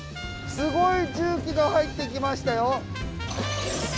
すごい重機が入ってきましたよ。